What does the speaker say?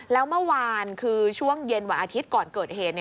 แล้วเมื่อวานคือช่วงเย็นวันอาทิตย์ก่อนเกิดเหตุ